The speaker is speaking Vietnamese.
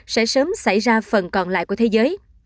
sẽ sớm xảy ra phần còn lại của thế giới